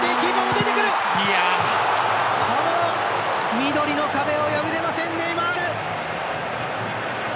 緑の壁を破れませんネイマール！